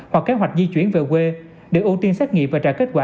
hoặc kế hoạch di chuyển về quê để ưu tiên xét nghiệm và trả kết quả